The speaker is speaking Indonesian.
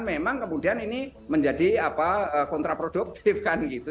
memang kemudian ini menjadi kontraproduktif kan gitu